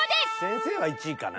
先生が１位かな？